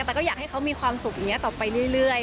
แต่ก็อยากให้เขามีความสุขอย่างนี้ต่อไปเรื่อย